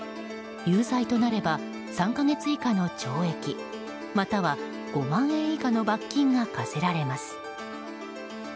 有罪となれば３か月以下の懲役または５万円以下の罰金が科せられます。